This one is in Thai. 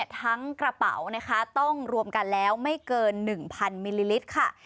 กระเป๋านะคะต้องรวมกันแล้วไม่เกิน๑๐๐มิลลิลิตรค่ะ